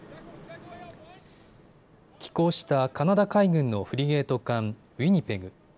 寄港したカナダ海軍のフリゲート艦、ウィニペグ。